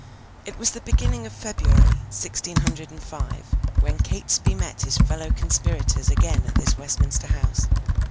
It was the beginning of February, sixteen hundred and five, when Catesby met his fellow conspirators again at this Westminster house.